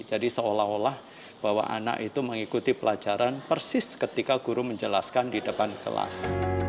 jadi seolah olah bahwa anak itu mengikuti pelajaran persis ketika guru menjelaskan di depan kelas